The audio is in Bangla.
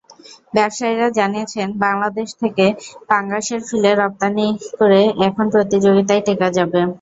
ব্যবসায়ীরা জানিয়েছেন, বাংলাদেশ থেকে পাঙাশের ফিলে রপ্তানি করে এখন প্রতিযোগিতায় টেকা যাবে।